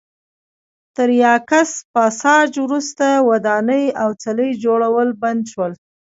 تر یاکس پاساج وروسته ودانۍ او څلي جوړول بند شول.